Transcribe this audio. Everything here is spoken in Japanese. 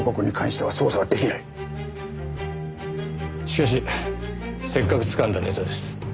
しかしせっかくつかんだネタです。